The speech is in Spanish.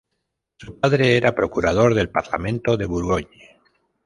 Su padre era procurador del Parlamento de Bourgogne.